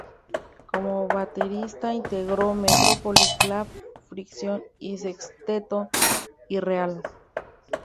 Como baterista integró Metrópoli, Clap, Fricción y el Sexteto Irreal.